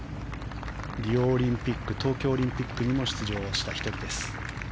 リオオリンピック東京オリンピックにも出場した１人です。